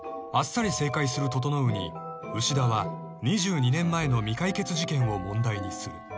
［あっさり正解する整に牛田は２２年前の未解決事件を問題にする］